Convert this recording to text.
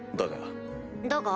だが。